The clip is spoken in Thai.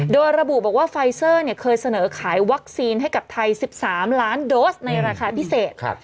โดยระบุบอกว่าไฟเซอร์เคยเสนอขายวัคซีนให้กับไทย๑๓ล้านโดสในราคาพิเศษ